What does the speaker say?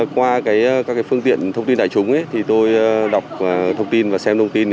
qua các phương tiện thông tin đại chúng tôi đọc thông tin và xem thông tin